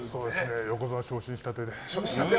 横綱に昇進したてで。